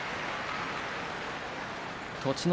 栃ノ